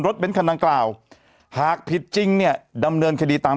เบ้นคันดังกล่าวหากผิดจริงเนี่ยดำเนินคดีตาม